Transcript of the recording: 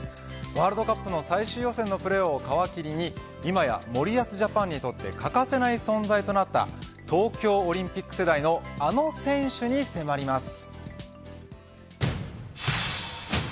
ワールドカップの最終予選のプレーを皮切りに今や森保ジャパンにとって欠かせない存在となった東京オリンピック世代のあの選手に迫ります。